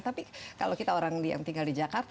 tapi kalau kita orang yang tinggal di jakarta